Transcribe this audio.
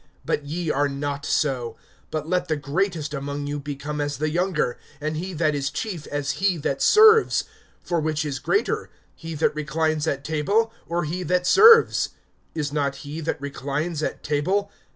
(26)But ye are not so; but let the greatest among you become as the younger, and he that is chief as he that serves. (27)For which is greater, he that reclines at table, or he that serves? Is not he that reclines at table?